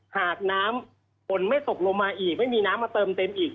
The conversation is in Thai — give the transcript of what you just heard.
หากน้ำฝนไม่ตกลงมาอีกไม่มีน้ำมาเติมเต็มอีก